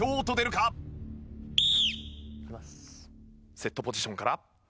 セットポジションから。